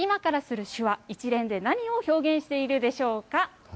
今からする手話、一連で何を表現しているでしょうか。